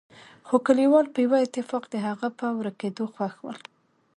خو کليوال په يوه اتفاق د هغه په ورکېدو خوښ ول.